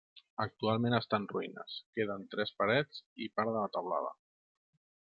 Actualment està en ruïnes, queden tres parets i part de la teulada.